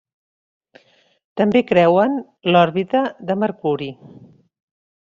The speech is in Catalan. També creuen l'òrbita de Mercuri.